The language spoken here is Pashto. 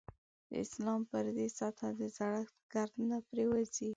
د اسلام پر دې سطح د زړښت ګرد نه پرېوځي.